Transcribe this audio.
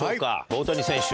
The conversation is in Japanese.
大谷選手